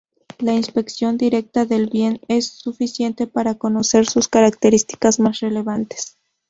La inspección directa del bien es suficiente para conocer sus características más relevantes.